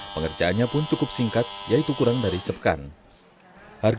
pengerjaannya pun berhasil mencari alat pendeteksi banjir